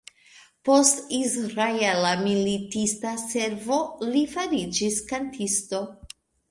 Post Israela militista servo, li fariĝis kantisto.